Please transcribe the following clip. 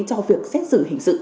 cho việc xét xử hình sự